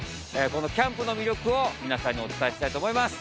このキャンプの魅力を皆さんにお伝えしたいと思います。